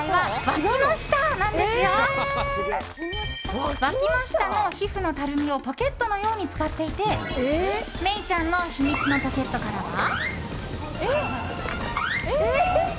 わきの下の皮膚のたるみをポケットのように使っていてメイちゃんの秘密のポケットからは。